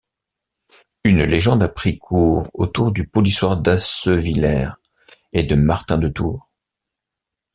Une légende a pris cours autour du polissoir d'Assevillers et de Martin de Tours.